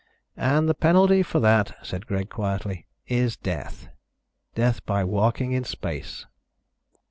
"And the penalty for that," said Greg, quietly, "is death. Death by walking in space."